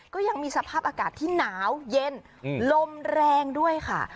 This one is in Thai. ก็ยังมีสภาพอากาศที่หนาวเย็นลมแรงด้วยค่ะ